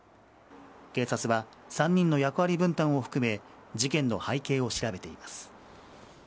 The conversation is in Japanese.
警察は３人の役割分担を含め事件の背景を調べています。